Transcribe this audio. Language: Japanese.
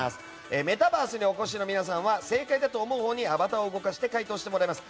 メタバースにお越しの皆さんは正解だと思うほうにアバターを動かして回答してもらいます。